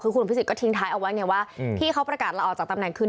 คือคุณอภิษฎก็ทิ้งท้ายเอาไว้ไงว่าที่เขาประกาศละออกจากตำแหน่งคือ